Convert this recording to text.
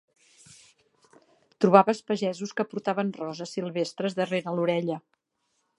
Trobaves pagesos que portaven roses silvestres darrere l'orella.